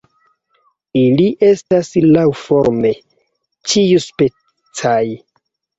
Ili estas laŭforme ĉiuspecaj.